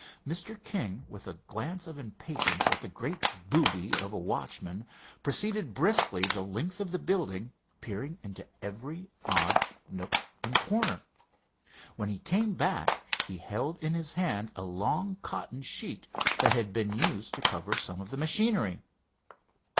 Mr. King, with a glance of impatience at the great booby of a watchman, proceeded briskly the length of the building, peering into every odd nook and corner. When he came back he held in his hand a long cotton sheet that had been used to cover some of the machinery.